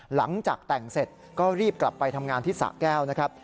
หลังจากแต่งเสร็จก็รีบกลับไปทำงานที่สะแก้วนะครับ